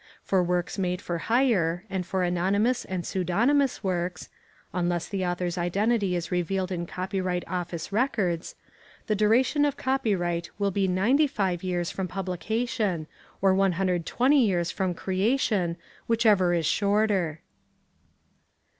For works made for hire, and for anonymous and pseudonymous works (unless the author's identity is revealed in Copyright Office records), the duration of copyright will be 95 years from publication or 120 years from creation, whichever is shorter.